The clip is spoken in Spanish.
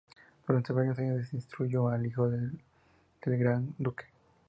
Durante varios años, instruyó al hijo del "gran duque".